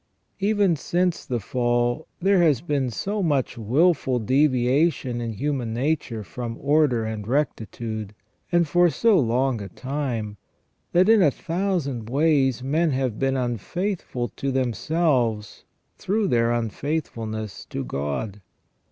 Even since the fall, there has been so much wilful deviation in human nature from order and rectitude, and for so long a time, ON EVIL AND THE ORIGIN OF EVIL, 187 that in a thousand ways men have been unfaithful to themselves through their unfaithfulness to God.